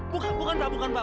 bukan pak bukan pak